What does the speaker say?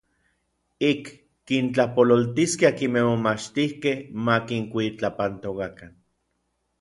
Ik kintlapololtiskej akinmej momachtijkej ma kinkuitlapantokakan.